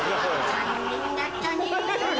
残念だったの？